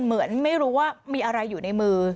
เหมือนไม่รู้ว่ามีอะไรอยู่ในมือ